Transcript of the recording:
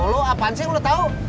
lu apaan sih lu tau